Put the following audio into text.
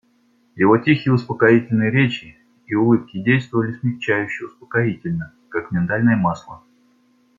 Его тихие успокоительные речи и улыбки действовали смягчающе успокоительно, как миндальное масло.